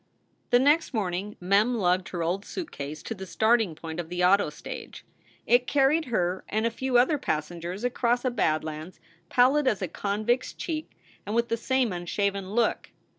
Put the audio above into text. The next morning Mem lugged her old suitcase to the starting point of the auto stage. It carried her and a few i66 SOULS FOR SALE other passengers across a bad lands, pallid as a convict s cheek and with the same unshaven look.